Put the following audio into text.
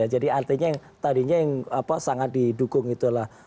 jadi artinya yang tadinya sangat didukung itu adalah